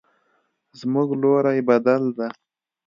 زموږ لوري بدل ده